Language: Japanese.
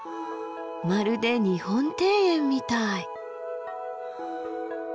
まるで日本庭園みたい。